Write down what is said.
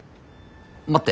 待って。